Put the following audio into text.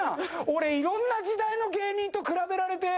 俺色んな時代の芸人と比べられて。